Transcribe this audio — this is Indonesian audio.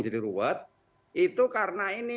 ruwet itu karena ini